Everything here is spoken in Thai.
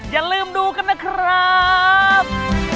อย่าลืมดูกันนะครับ